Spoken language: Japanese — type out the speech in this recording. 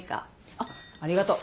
あっありがとう。